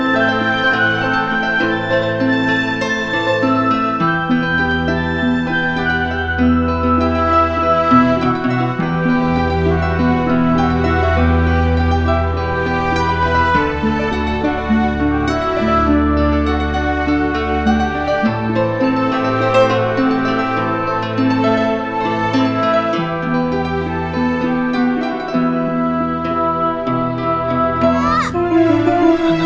sampai nek melis darah